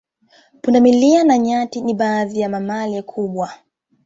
Punda milia na nyati ni baadhi ya mamalia kubwa